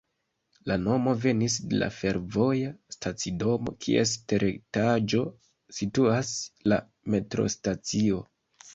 La nomo venis de la fervoja stacidomo, kies teretaĝo situas la metrostacio.